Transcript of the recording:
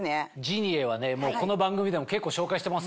ジニエはねこの番組でも結構紹介してますもんね。